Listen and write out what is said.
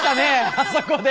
あそこで。